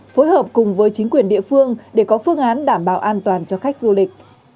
phối hợp cùng với chính quyền địa phương để có phương án đảm bảo an toàn cho khách du lịch